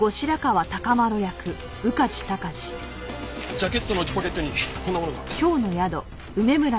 ジャケットの内ポケットにこんなものが。